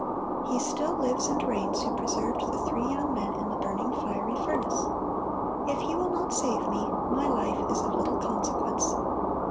He still lives and reigns who preserved the three young men in the burning fiery furnace. If He will not save me, my life is of little consequence.